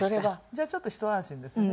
じゃあちょっとひと安心ですね。